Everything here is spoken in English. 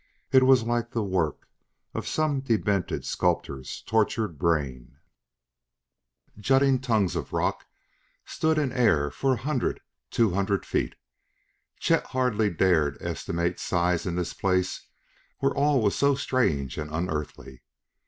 It was like the work of some demented sculptor's tortured brain. Jutting tongues of rock stood in air for a hundred two hundred feet. Chet hardly dared estimate size in this place where all was so strange and unearthly.